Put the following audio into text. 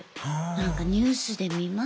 なんかニュースで見ます。